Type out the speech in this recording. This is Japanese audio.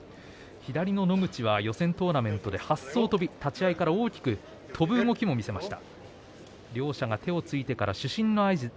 左の野口予選トーナメントで八艘はっそう飛び立ち合いから飛ぶ動きもありました。